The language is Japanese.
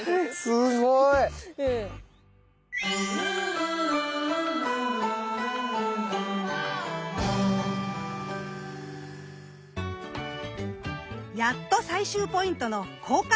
すごい！やっと最終ポイントの公開